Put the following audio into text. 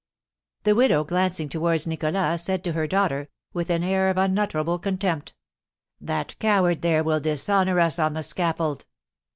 The widow, glancing towards Nicholas, said to her daughter, with an air of unutterable contempt: "That coward there will dishonour us on the scaffold!"